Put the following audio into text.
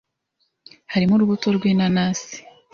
harimo urubuto rw’inanasi